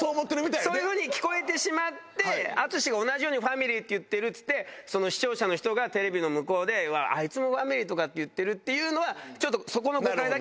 そういうふうに聞こえてしまって淳が。って言ってるっつって視聴者の人がテレビの向こうで「あいつもファミリーとかって言ってる」っていうのはちょっと。